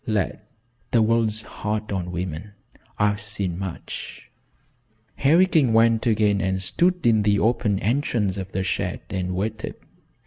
Lad, the world's hard on women. I've seen much." Harry King went again and stood in the open entrance of the shed and waited.